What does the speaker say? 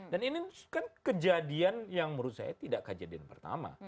dan ini kan kejadian yang menurut saya tidak kejadian pertama